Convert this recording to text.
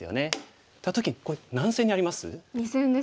た時にこれ何線にあります？